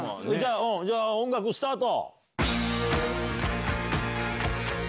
じゃあ音楽スタート！